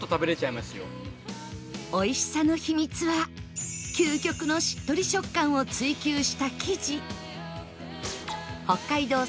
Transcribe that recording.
おいしさの秘密は究極のしっとり食感を追求した生地